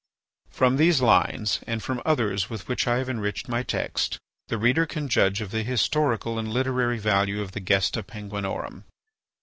From these lines and from some others with which have enriched my text the reader can judge of the historical and literary value of the "Gesta Penguinorum."